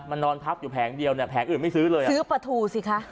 มันนอนพักอยู่แผงเดียวเนี่ยแผงอื่นไม่ซื้อเลยอ่ะซื้อปลาทูสิคะ